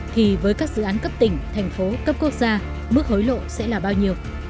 thì với các dự án cấp tỉnh thành phố cấp quốc gia mức hối lộ sẽ là bao nhiêu